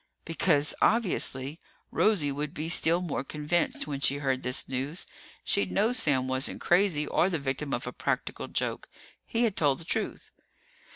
Because, obviously, Rosie would be still more convinced when she heard this news. She'd know Sam wasn't crazy or the victim of a practical joke. He had told the truth.